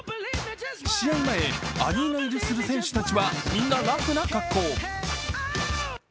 試合前アリーナ入りする選手たちはみんなラフな格好。